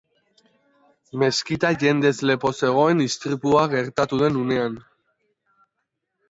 Meskita jendez lepo zegoen istripua gertatu den unean.